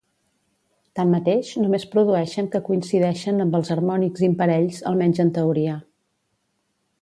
Tanmateix, només produeixen que coincideixen amb els harmònics imparells, almenys en teoria.